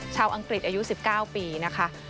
อังกฤษอายุ๑๙ปีนะคะ